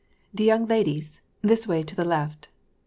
"The young ladies', this way to the left!